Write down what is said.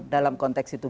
dalam konteks itu